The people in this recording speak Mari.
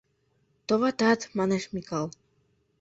— Товатат! — манеш Микал.